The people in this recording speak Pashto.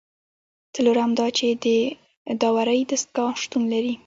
څلورم دا چې د داورۍ دستگاه شتون ولري.